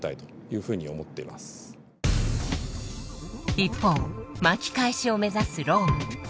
一方巻き返しを目指すローム。